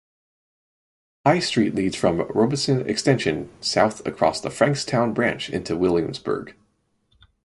High Street leads from Robeson Extension south across the Frankstown Branch into Williamsburg.